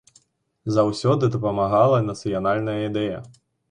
Заўсёды дапамагала нацыянальная ідэя.